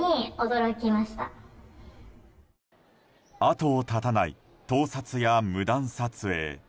後を絶たない盗撮や無断撮影。